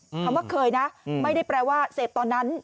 คำว่าเคยนะไม่ได้แปลว่าเสพตอนนั้น